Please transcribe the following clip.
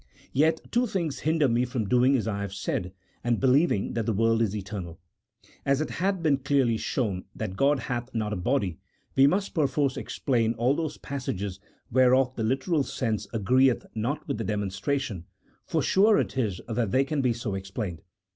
Yet two things hinder me from doing as I have said, and believing that the world is eternal. As it hath been clearly shown that God hath not a body, we must per force explain all those passages whereof the literal sense agreeth not with the demonstration, for sure it is that they can be so explained.